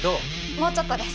もうちょっとです。